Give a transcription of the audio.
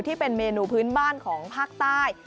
ที่เป็นเมนูพื้นบ้านของพักตาย